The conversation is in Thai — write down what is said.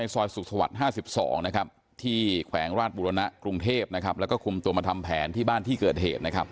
ซอยสุขศวรรษ๕๒ที่แขวงราชบุรณะกรุงเทพและคุมตัวมาทำแผนที่บ้านที่เกิดเหตุ